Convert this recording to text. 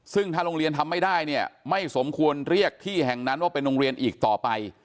ซึ่งถ้าโรงเรียนทำไม่ได้เนี่ยไม่สมควรเรียกที่แห่งนั้นว่าเป็นโรงเรียนอีกต่อไป